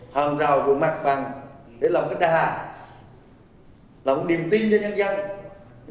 hàn rào rùa mặt vàng để làm cái đà làm một điềm tin cho nhân dân